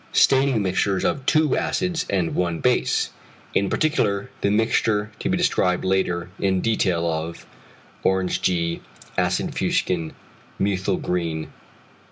Staining mixtures of 2 acids and 1 base, in particular the mixture to be described later in detail of orange g. acid fuchsin methyl green.